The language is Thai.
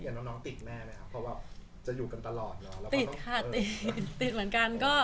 น้องติดแม่ไหมครับเพราะว่าจะอยู่กันตลอด